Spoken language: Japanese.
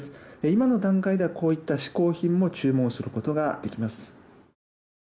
今の段階ではこういった嗜好品も注文することができます。